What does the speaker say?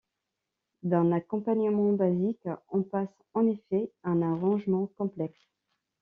D'un accompagnement basique, on passe en effet à un arrangement complexe.